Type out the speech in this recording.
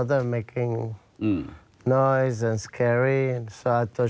เพราะท่านลูกหน้าทำให้สงสัยและกลัว